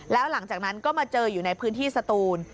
แล้วหลังจากนั้นก็มาเจออยู่ในพื้นที่สตูน